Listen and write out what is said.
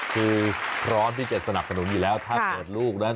คือพร้อมที่จะสนับสนุนอย่างนั้น